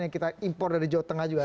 yang kita impor dari jawa tengah juga